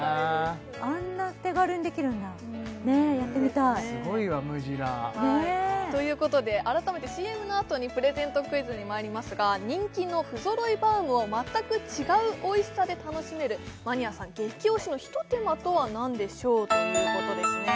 あんな手軽にできるんだねぇやってみたいすごいわムジラーということで改めてＣＭのあとにプレゼントクイズにまいりますが人気の不揃いバウムを全く違うおいしさで楽しめるマニアさん激推しのひと手間とは何でしょうということですね